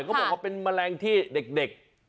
เขาบอกว่าเป็นแมลงที่เด็ก